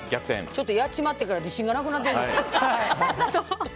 ちょっとやっちまってから自信がなくなってる。